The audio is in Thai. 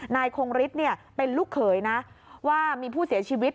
นายคงฤทธิ์เป็นลูกเขยนะว่ามีผู้เสียชีวิต